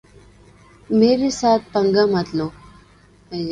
میرے ساتھ پنگا مت لو۔